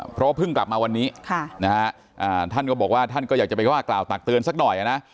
เพราะว่าเพิ่งกลับมาวันนี้ท่านก็บอกว่าท่านก็อยากจะไปว่ากล่าวตักเตือนสักหน่อยนะ